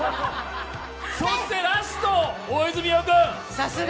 そしてラスト、大泉洋君。